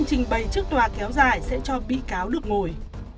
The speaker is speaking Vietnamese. trình bày trước tòa kéo dài sẽ cho bị cáo được ngồi